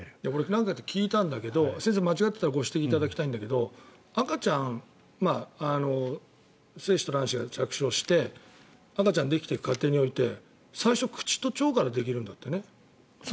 なんかで聞いたんだけど先生、間違っていたらご指摘いただきたいんだけど赤ちゃん、精子と卵子が着床して赤ちゃんができていく過程において最初、口と腸からできるんだってね。